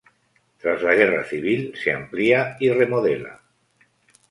Tras la Guerra Civil se amplía y remodela.